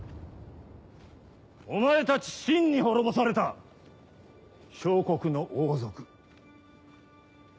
お前たち秦に滅ぼされた小国の王族。